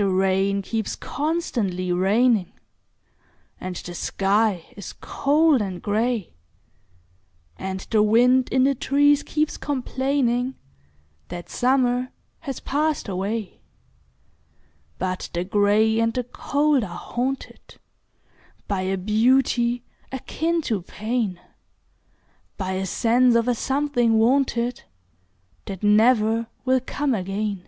The rain keeps constantly raining, And the sky is cold and gray, And the wind in the trees keeps complainingThat summer has passed away;—But the gray and the cold are hauntedBy a beauty akin to pain,—By a sense of a something wanted, That never will come again.